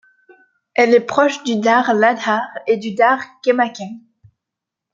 Elle est proche du Dar Laadhar et du Dar Khemakhem.